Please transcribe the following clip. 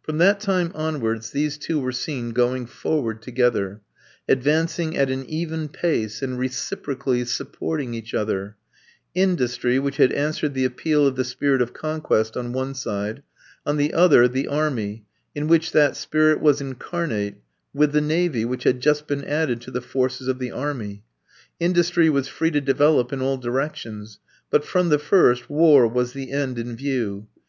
From that time onwards these two were seen going forward together, advancing at an even pace and reciprocally supporting each other industry, which had answered the appeal of the spirit of conquest, on one side; on the other, the army, in which that spirit was incarnate, with the navy, which had just been added to the forces of the army. Industry was free to develop in all directions; but, from the first, war was the end in view.